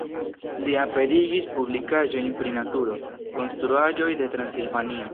Li aperigis publikaĵojn pri naturo, konstruaĵoj de Transilvanio.